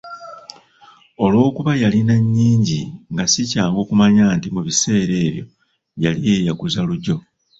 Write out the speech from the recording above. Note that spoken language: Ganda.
Olwokuba yalina nyingi nga si kyangu kumanya nti mu biseera ebyo yali yeeyaguza lujjo.